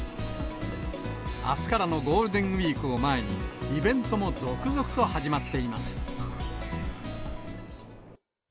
あすからのゴールデンウィークを前に、イベントも続々と始まっています。